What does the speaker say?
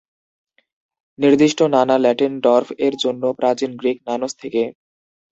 নির্দিষ্ট "নানা" ল্যাটিন "ডর্ফ" এর জন্য, প্রাচীন গ্রীক "নানোস" থেকে।